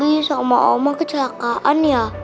abi sama oma kecelakaan ya